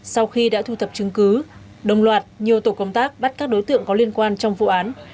sau khi đã thu thập chứng cứ đồng loạt nhiều tổ công tác bắt các đối tượng có liên quan trong vụ án